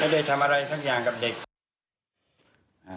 ได้ทำอะไรสักอย่างกับเด็ก